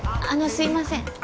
あのすいません。